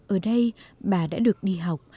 ở đây bà đã được đi học